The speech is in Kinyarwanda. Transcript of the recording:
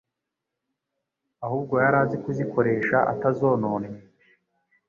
ahubwo yari azi kuzikoresha atazononnye,